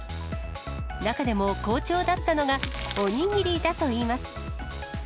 中でも、好調だったのがおにぎりだといいます。